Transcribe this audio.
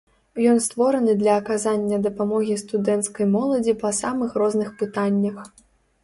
Ён створаны для аказання дапамогі студэнцкай моладзі па самых розных пытаннях.